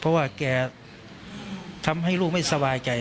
เพราะว่าแกทำให้ลูกไม่สบายใจ